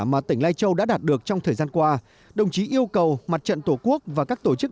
mà tỉnh lai châu đã đạt được trong thời gian qua đồng chí yêu cầu mặt trận tổ quốc và các tổ chức